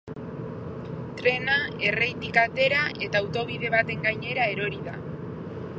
Trena erreitik atera eta autobide baten gainera erori da.